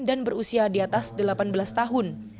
dan berusia di atas delapan belas tahun